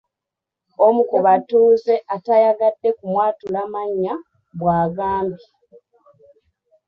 Omu ku batuuze atayagadde kumwatula mannya bw’agambye.